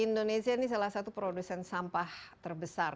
indonesia ini salah satu produsen sampah terbesar